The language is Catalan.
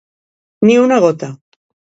Ni una gota.